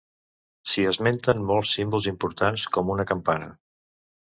S'hi esmenten molts símbols importants, com una campana.